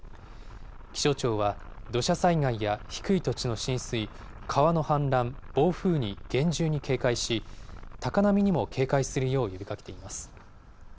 気象庁は、土砂災害や低い土地の浸水、川の氾濫、暴風に厳重に警戒し、高波にも警戒するよう呼びかけています。